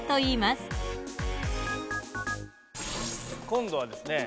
今度はですね